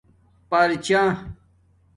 پرچہ